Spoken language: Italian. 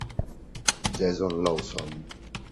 Jason Lawson